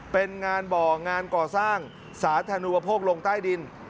เป็นงานบ่องานก่อสร้างสาธารณูปโภคลงใต้ดิน